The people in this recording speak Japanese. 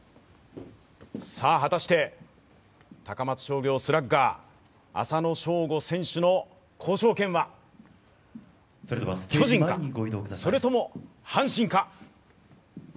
果たして、高松商業スラッガー、浅野翔吾選手の交渉権は巨人か、それとも阪神か。